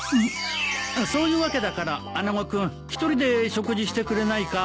そういうわけだから穴子君１人で食事してくれないか。